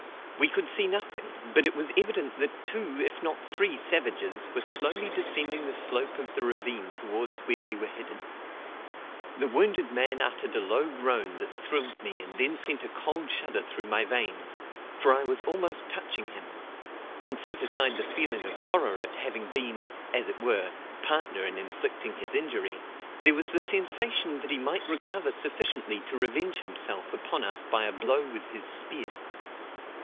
We could see nothing, but it was evident that two if not three savages were slowly descending the slope of the ravine towards where we were hidden. The wounded man uttered a low groan that thrilled me and then sent a cold shudder through my veins, for I was almost touching him; and set aside the feeling of horror at having been, as it were, partner in inflicting his injury, there was the sensation that he might recover sufficiently to revenge himself upon us by a blow with his spear.